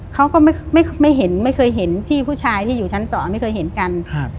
เขาก็ไม่เห็นไม่เคยเห็นพี่ผู้ชายที่อยู่ชั้นสองไม่เคยเห็นกัน